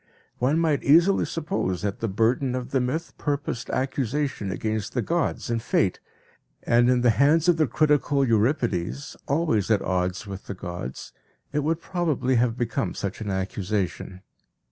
One might easily suppose that the burden of the myth purposed accusation against the gods and Fate, and in the hands of the critical Euripides, always at odds with the gods, it would probably have become such an accusation.